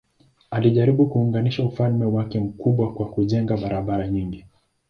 Alijaribu kuunganisha ufalme wake mkubwa kwa kujenga barabara nyingi.